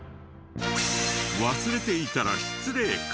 忘れていたら失礼かも？